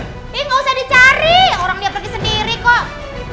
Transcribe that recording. ini gak usah dicari orang dia pergi sendiri kok